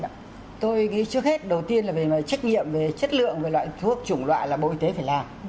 vâng ạ tôi nghĩ trước hết đầu tiên là về trách nhiệm về chất lượng về loại thuốc chủng loại là bộ y tế phải làm